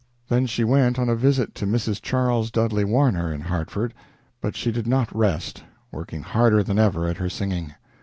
Then she went on a visit to Mrs. Charles Dudley Warner, in Hartford; but she did not rest, working harder than ever at her singing.